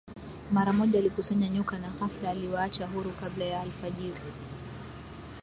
Mara moja alikusanya nyoka na ghafla aliwaacha huru kabla ya alfajiri